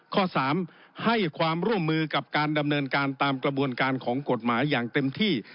ข้อ๓ให้ความร่วมมือกับการดำเนินการตามกระบวนการของกฎหมายอย่างเต็มที่